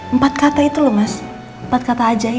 empat kata itu loh mas empat kata ajaib